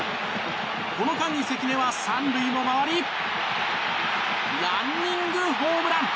この間に関根は３塁も回りランニングホームラン！